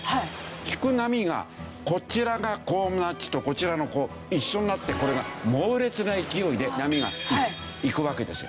引く波がこちらがこうなっててこちらのこう一緒になってこれが猛烈な勢いで波がいくわけですよ。